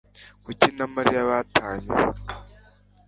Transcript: Kuki na Mariya batanye?